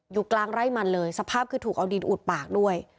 อยู่กลางไร่มันเลยสภาพคือถูกเอาดินอุดปากด้วย